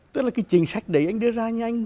tức là cái chính sách đấy anh đưa ra nhanh